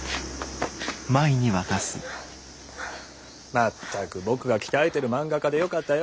まったく僕が鍛えてる漫画家でよかったよ。